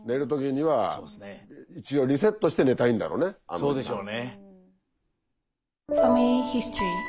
そうでしょうね。